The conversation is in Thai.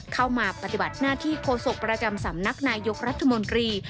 เข้ามาปฏิบัติหน้าที่โฆษกประจำสำนักนายยกรัฐมนตรี